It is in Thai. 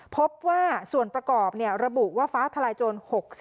พบว่าส่วนประกอบระบุว่าฟ้าทลายโจร๖๐